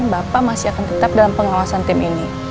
bapak masih akan tetap dalam pengawasan tim ini